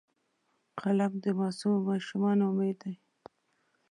قلم د معصومو ماشومانو امید دی